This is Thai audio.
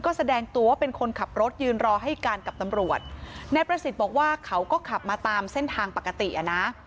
ก็แสดงตัวเป็นคนขับรถยืนรอให้การกับตำรวจนายประสิทธิ์บอกว่าเขาก็ขับมาตามเส้นทางปกติอ่ะนะ